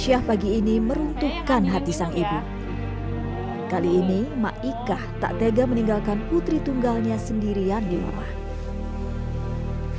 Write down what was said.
kisah berikut ini adalah tentang kejadian seorang ibu yang tidak pernah menyerah merawat anaknya yang berkebutuhan khusus di garis jawa barat